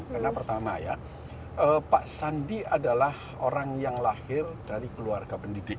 karena pertama ya pak sandi adalah orang yang lahir dari keluarga pendidik